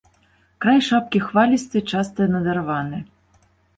Край шапкі хвалісты, часта надарваны.